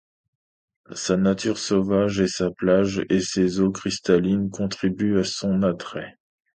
Sa nature sauvage et sa plage et ses eaux cristallines contribuent à son attrait.